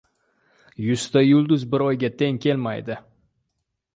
• Yuzta yulduz bir Oyga teng kelmaydi.